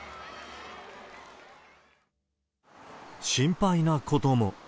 心配なことも。